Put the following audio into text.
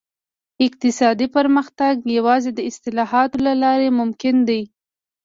اقتصادي پرمختګ یوازې د اصلاحاتو له لارې ممکن دی.